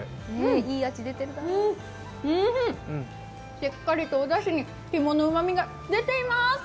しっかりとおだしに肝のうまみが出ています！